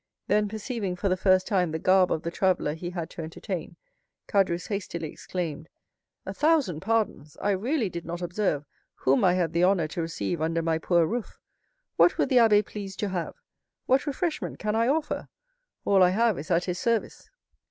Then perceiving for the first time the garb of the traveller he had to entertain, Caderousse hastily exclaimed: "A thousand pardons! I really did not observe whom I had the honor to receive under my poor roof. What would the abbé please to have? What refreshment can I offer? All I have is at his service."